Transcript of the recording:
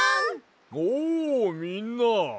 おうみんな。